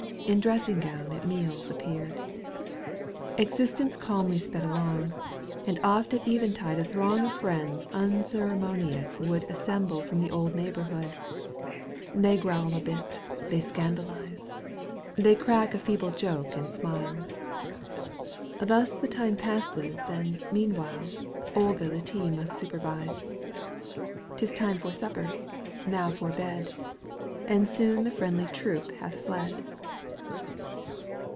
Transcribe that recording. In dressing gown at meals appeared. Existence calmly sped along. And oft at eventide a throng Of friends imceremonious would Assemble from the neighbourhood : They growl a bit — they scandalise — They crack a feeble joke and smile — Thus the time passes and meanwhile Olga the tea must supervise — Tis time for supper, now for bed. And soon the friendly troop hath fled.